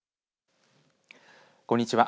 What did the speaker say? こんにちは。